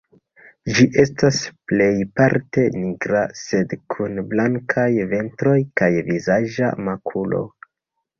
Ĝi estas plejparte nigra, sed kun blankaj ventro kaj vizaĝa makulo.